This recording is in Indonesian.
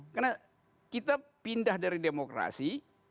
karena kita pindah dari demokrasi